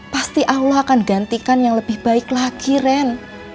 pasti allah akan gantikan yang lebih baik lagi ren